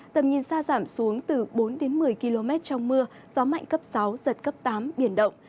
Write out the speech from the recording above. tầm nhìn xa giảm xuống từ bốn đến một mươi km trong mưa gió mạnh cấp sáu giật cấp tám biển động